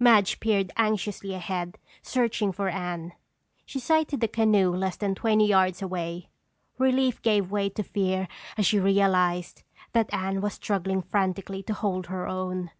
Madge peered anxiously ahead, searching for Anne. She sighted the canoe less than twenty yards away. Relief gave way to fear as she realized that Anne was struggling frantically to hold her own.